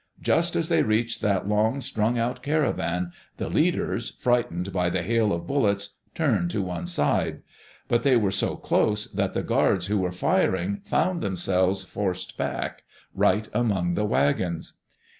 Just as they reached that long, strung out caravan, the leaders, frightened by the bail of bullets, turned to one side. But they were so close that the guards who were firing found themselves forced back, right among the wagons.